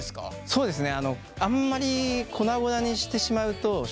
そうですね！